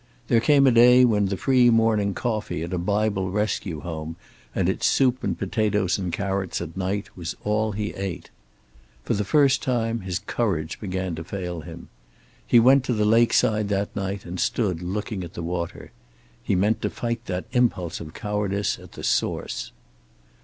There came a day when the free morning coffee at a Bible Rescue Home, and its soup and potatoes and carrots at night was all he ate. For the first time his courage began to fail him. He went to the lakeside that night and stood looking at the water. He meant to fight that impulse of cowardice at the source.